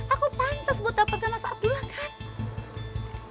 aku pantas buat dapet sama mas abdullah kan